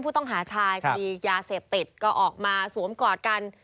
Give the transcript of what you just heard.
ผู้ต้องหาชายคดียาเสพติดก็ออกมาสวมกอดกัน